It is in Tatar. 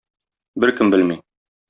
Беркем белми.